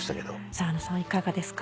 澤野さんはいかがですか？